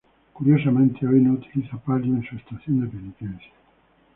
Curiosamente hoy no utiliza palio en su estación de penitencia.